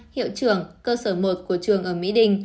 hiệu trưởng cơ sở một của trường ở mỹ đình